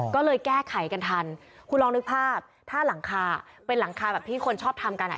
ก็เลยแก้ไขกันทันคุณลองนึกภาพถ้าหลังคาเป็นหลังคาแบบที่คนชอบทำกันอ่ะ